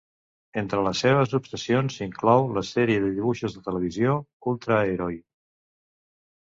Entre les seves obsessions s'inclou la sèrie de dibuixos de televisió Ultra Heroi.